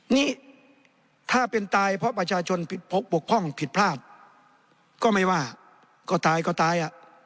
นี่ถ้าเป็นตายเพราะประชาชนผิดพกผิดพลาดก็ไม่ว่าก็ตายก็ตายอ่ะ